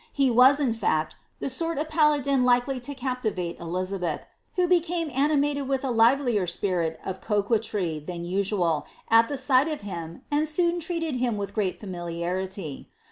He wm, in fact, the «urt o( palailin likely lo caplivBl« Elisabrth, who became aiiiinaled with a livelier spiri< of coquetry than uaual. at the si^ht of him, and soon treated bim with great fainiliarity.